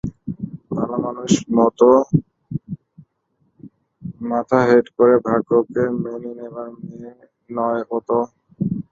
ভালোমানুষের মতো মাথা হেঁট করে ভাগ্যকে মেনে নেবার মেয়ে নয় ও তো।